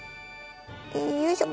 よいしょ。